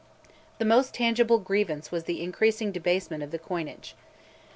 The most tangible grievance was the increasing debasement of the coinage.